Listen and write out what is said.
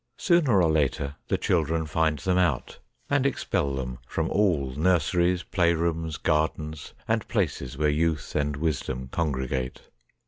Sooner or later the children find them out, and expel them from ON DIGGING HOLES 111 all nurseries, playrooms, gardens, and places where youth and wisdom congregate.